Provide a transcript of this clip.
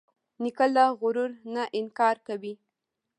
نیکه له غرور نه انکار کوي.